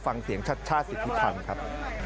ฟังเสียงชัดชาติสิทธิพันธ์ครับ